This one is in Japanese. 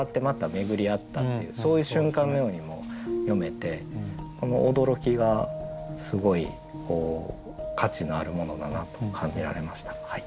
巡り会ったっていうそういう瞬間のようにも読めてこの驚きがすごい価値のあるものだなと感じられました。